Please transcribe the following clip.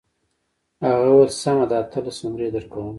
هغه وویل سمه ده اتلس نمرې درکوم.